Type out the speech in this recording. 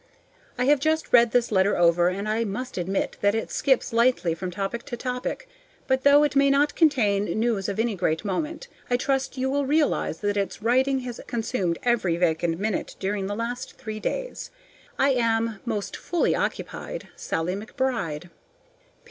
I have just read this letter over, and I must admit that it skips lightly from topic to topic. But though it may not contain news of any great moment, I trust you will realize that its writing has consumed every vacant minute during the last three days. I am, Most fully occupied, SALLIE McBRIDE.